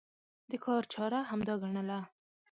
د کار چاره همدا ګڼله.